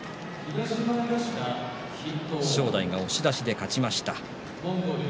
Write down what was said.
正代を押し出しで勝ちました。